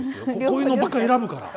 こういうのばっか選ぶから。